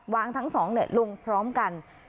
ทั้งสองลงพร้อมกัน